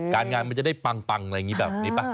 การงานมันจะได้ปังอะไรแบบนี้ป่ะ